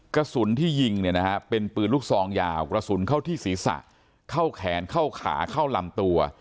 กระสุนที่ยิงเนี่ยนะฮะเป็นปืนลูกซองยาวกระสุนเข้าที่ศีรษะเข้าแขนเข้าขาเข้าลำตัว